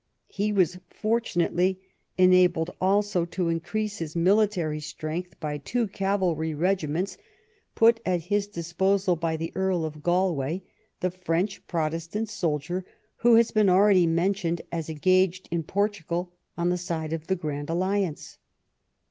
He was, fort^ imately, enabled also to increase his military strength 131 THE REIQN OF QUEEN ANNE by two cavalry regiments put at his disposal by the Earl of Galway, the French Protestant soldier who has been already mentioned as engaged in Portugal on the side of the Grand Alliance.